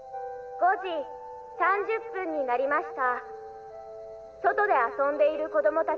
５時３０分になりました